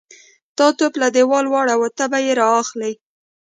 _تا توپ تر دېوال واړاوه، ته به يې را اخلې.